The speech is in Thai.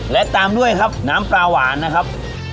และตามด้วยครับน้ำปลาหวานนะครับ